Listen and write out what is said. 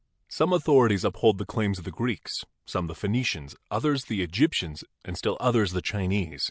Some authorities uphold the claims of the Greeks, some the Phenicians, others the Egyptians and still others the Chinese.